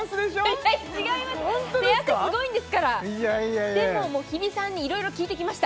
手汗すごいんですからでももう日比さんにいろいろ聞いてきました